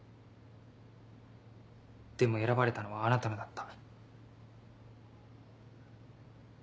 でも選ばれたのはあなたのだった。